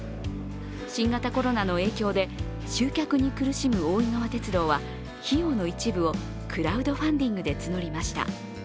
新型コロナの影響で集客に苦しむ大井川鉄道は費用の一部をクラウドファンディングで募りました。